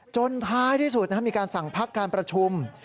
ท้ายที่สุดมีการสั่งพักการประชุม